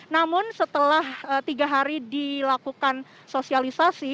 namun setelah tiga hari dilakukan sosialisasi